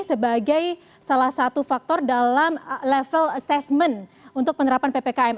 sebagai salah satu faktor dalam level assessment untuk penerapan ppkm